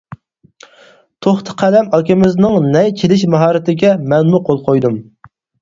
توختى قەلەم ئاكىمىزنىڭ نەي چېلىش ماھارىتىگە مەنمۇ قول قويدۇم.